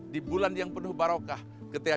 di bulan yang penuh barokah ketika